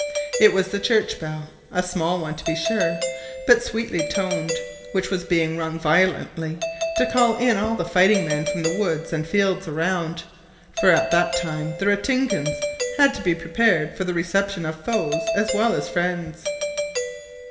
It was the church bell a small one, to be sure, but sweetly toned which was being rung violently to call in all the fighting men from the woods and fields around, for at that time the Ratingans had to be prepared for the reception of foes as well as friends.